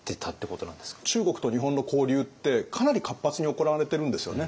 中国と日本の交流ってかなり活発に行われてるんですよね。